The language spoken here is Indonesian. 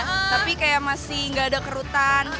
tapi kayak masih nggak ada kerutan